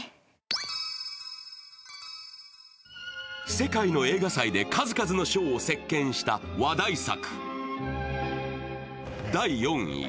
世界の映画祭で数々の賞を席巻した話題作。